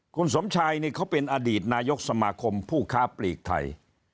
คุณสมชายนี่เขาเป็นอดีตนายกสมาคมผู้ค้าปลีกไทย